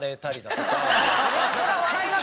それは笑いますよ。